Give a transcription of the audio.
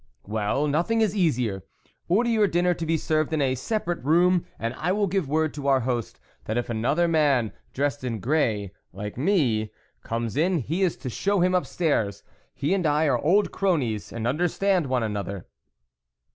"Well, nothing is easier; order your dinner to be served in a separate room, and I will give word to our host, that if another man dressed in grey like me comes in, he is to show him upstairs ; he and I are old cronies, and understand one an other."